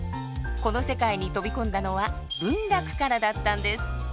この世界に飛び込んだのは文楽からだったんです。